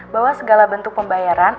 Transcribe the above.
bahwa segala bentuk pembayaran